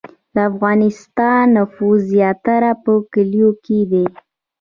د افغانستان نفوس زیاتره په کلیو کې دی